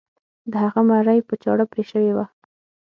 د هغه مرۍ په چاړه پرې شوې وه.